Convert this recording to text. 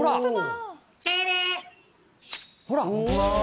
ほら。